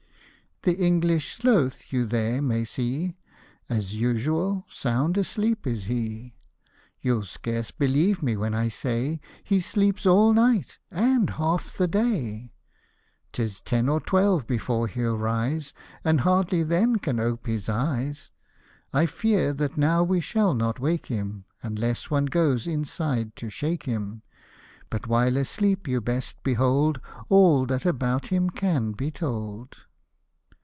" The English sloth you there may see ; As usual, sound asleep is he ; You'll scarce believe me when I say He sleeps all night, and half the day ! 'Tis ten or twelve before he'll rise, And hardly then can ope' his eyes ; 114 I fear that now we shall not wake him, Unless one goes inside to shake him ; But while asleep you best behold All that about him can be told.